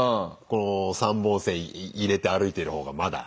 この３本線入れて歩いてる方がまだ。